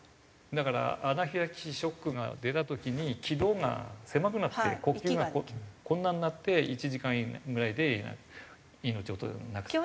だからアナフィラキシーショックが出た時に気道が狭くなって呼吸が困難になって１時間ぐらいで命を落とす。